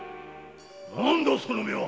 〔何だその目は！〕